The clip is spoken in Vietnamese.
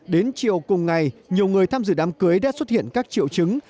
đến chiều cùng ngày nhiều người tham dự đám cưới đã xuất hiện các triệu chứng